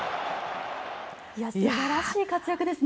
素晴らしい活躍ですね。